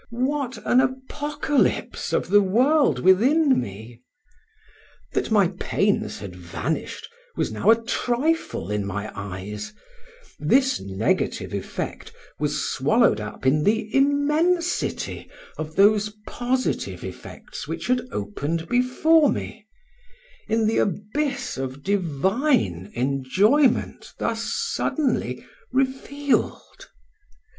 what an apocalypse of the world within me! That my pains had vanished was now a trifle in my eyes: this negative effect was swallowed up in the immensity of those positive effects which had opened before me—in the abyss of divine enjoyment thus suddenly revealed.